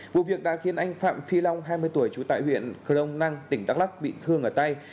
vụ việc đã khiến anh phạm phi long hai mươi tuổi trú tại huyện crong năng tỉnh đắk lắc bị thương ở tay